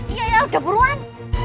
iya iya udah buruan